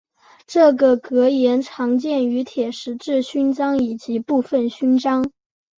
这个格言常见于铁十字勋章及部分勋章。